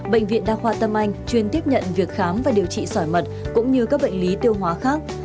bệnh viện đa khoa tâm anh chuyên tiếp nhận việc khám và điều trị sỏi mật cũng như các bệnh lý tiêu hóa khác